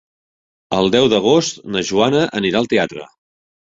El deu d'agost na Joana anirà al teatre.